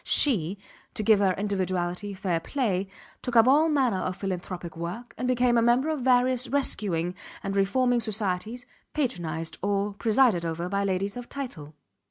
She, to give her individuality fair play, took up all manner of philanthropic work and became a member of various rescuing and reforming societies patronized or presided over by ladies of title.